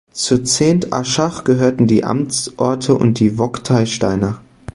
Zur Zent Aschach gehörten die Amtsorte und die Vogtei Steinach.